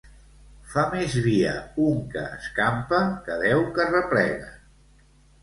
Fa més via un que escampa que deu que repleguen.